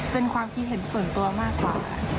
เป็นความคิดเห็นส่วนตัวมากกว่า